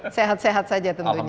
sehat sehat saja tentunya